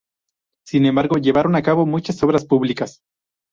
Sin embargo, llevaron a cabo muchas obras públicas.